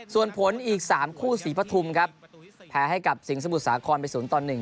ส่วนผลอีก๓คู่สีพะทุ่มครับแพ้ให้กับสิงสมุทรสาคอนไป๐ตอน๑